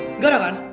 nggak ada kan